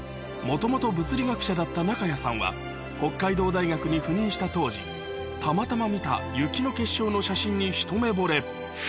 もともと物理学者だった中谷さんは、北海道大学に赴任した当時、たまたま見た雪の結晶の写真に一目ぼれ。